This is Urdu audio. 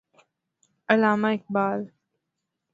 علامہ اقبال